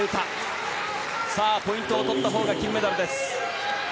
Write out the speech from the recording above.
ポイントを取ったほうが金メダルです。